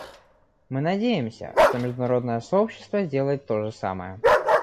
Мы надеемся, что международное сообщество сделает то же самое.